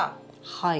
はい。